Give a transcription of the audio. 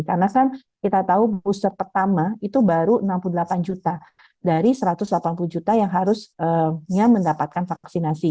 karena kan kita tahu booster pertama itu baru enam puluh delapan juta dari satu ratus delapan puluh juta yang harusnya mendapatkan vaksinasi